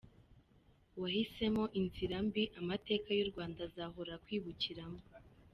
Wahisemo inzira mbi amateka yu Rwanda azahora akwibukiramo.